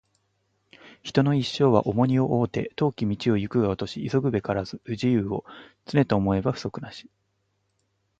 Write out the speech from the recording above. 人の一生は重荷を負うて、遠き道を行くがごとし急ぐべからず不自由を、常と思えば不足なし